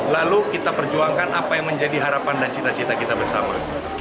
lalu kita perjuangkan apa yang menjadi harapan dan cita cita kita bersama